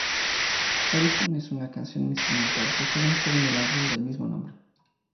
Origin es una canción instrumental que fue lanzada en el álbum del mismo nombre.